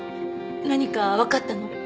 何かわかったの？